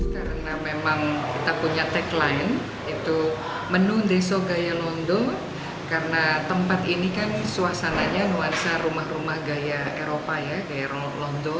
karena memang kita punya tagline itu menu ndeso gaya londo karena tempat ini kan suasananya nuansa rumah rumah gaya eropa ya gaya londo